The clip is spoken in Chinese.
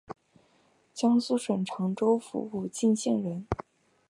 江苏省常州府武进县人。